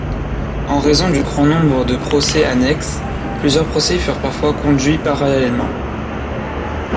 En raison du grand nombre de procès annexes, plusieurs procès furent parfois conduits parallèlement.